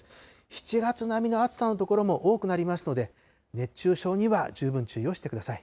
７月並みの暑さの所も多くなりますので、熱中症には十分注意をしてください。